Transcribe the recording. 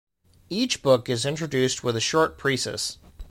Each book is introduced with a short precis.